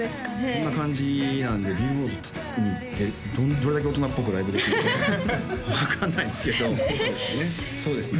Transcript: こんな感じなんでビルボードに行ってどれだけ大人っぽくライブできるか分かんないですけどそうですね